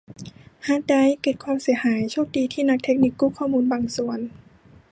ฮาร์ดไดรฟ์เกิดความเสียหายโชคดีที่นักเทคนิคกู้ข้อมูลบางส่วน